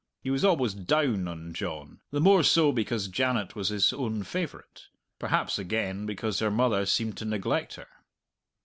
He was always "down" on John; the more so because Janet was his own favourite perhaps, again, because her mother seemed to neglect her.